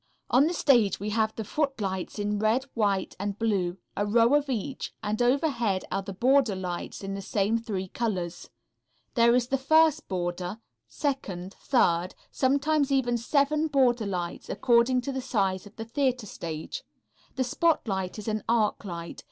On the stage we have the footlights in red, white and blue, a row of each, and overhead are the border lights in the same three colors. There is the first border, second, third sometimes even seven border lights, according to the size of the theatre stage. The spotlight is an arc light.